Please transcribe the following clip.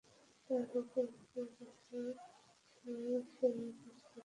তাহার উপর অপুর কাছে সে সেই রাজপুত্র অজয়!